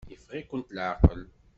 Yeffeɣ-ikent leɛqel.